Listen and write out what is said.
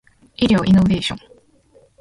医療イノベーション